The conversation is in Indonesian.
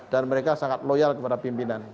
dan mereka sangat loyal kepada pimpinan